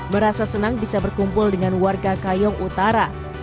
merasa senang bisa berkumpul dengan warga kayong utara